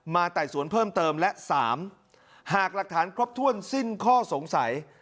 ไต่สวนเพิ่มเติมและ๓หากหลักฐานครบถ้วนสิ้นข้อสงสัย